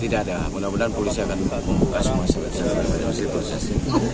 tidak ada mudah mudahan polisi akan menguak kasus